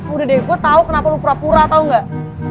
udah deh gua tau kenapa lu pura pura tau nggak